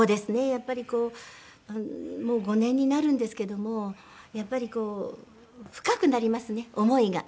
やっぱりこうもう５年になるんですけどもやっぱりこう深くなりますね思いが。